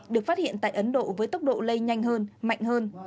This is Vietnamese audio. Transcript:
được phát hiện tại ấn độ với tốc độ lây nhanh hơn mạnh hơn